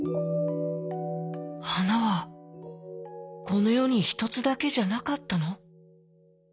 「はなはこのよにひとつだけじゃなかったの？